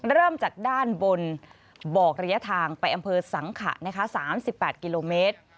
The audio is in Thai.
เริ่มจากด้านบนบอกระยะทางไปอำเภอสังขะนะคะ๓๘กิโลเมตร